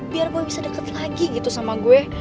biar gue bisa deket lagi gitu sama gue